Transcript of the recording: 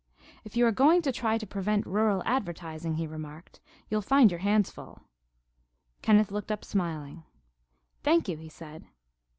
"If you are going to try to prevent rural advertising," he remarked, "you'll find your hands full." Kenneth looked up smiling. "Thank you," he said.